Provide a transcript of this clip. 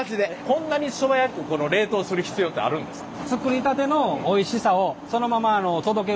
こんなに素早くこの冷凍する必要ってあるんですか？